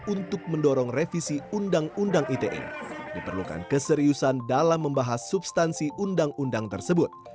untuk mendorong revisi undang undang ite diperlukan keseriusan dalam membahas substansi undang undang tersebut